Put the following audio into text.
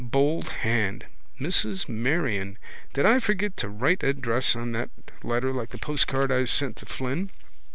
Bold hand: Mrs Marion. Did I forget to write address on that letter like the postcard I sent to Flynn?